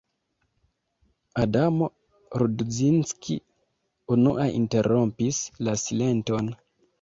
Adamo Rudzinski unua interrompis la silenton.